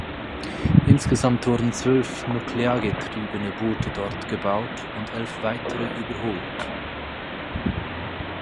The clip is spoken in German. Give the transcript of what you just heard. Insgesamt wurden zwölf nuklear getriebene Boote dort gebaut und elf weitere überholt.